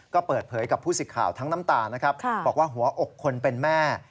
ก็เปิดเผยกับผู้สิทธิ์ข่าวทั้งน้ำตานะครับบอกว่าหัวอกคนเป็นแม่